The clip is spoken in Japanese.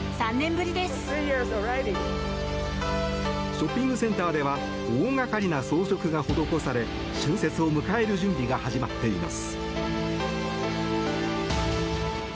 ショッピングセンターでは大掛かりな装飾が施され春節を迎える準備が始まっています。